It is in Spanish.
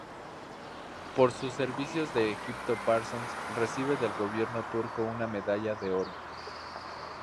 Por sus servicios en Egipto Parsons recibe del gobierno turco una medalla de oro.